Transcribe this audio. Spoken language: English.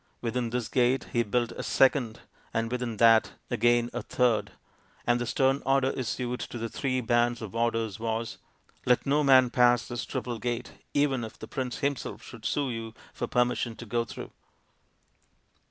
Within this gate he built a second and within that again a third, and the stern order issued to the three bands of warders was, " Let no man pass this triple gate, even if the prince himself should sue you for permission to go through."